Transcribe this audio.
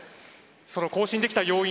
その更新できた要因